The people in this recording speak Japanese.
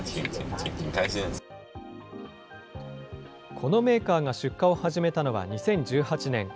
このメーカーが出荷を始めたのは２０１８年。